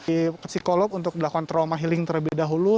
di psikolog untuk melakukan trauma healing terlebih dahulu